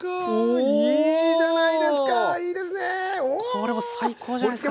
これもう最高じゃないですか。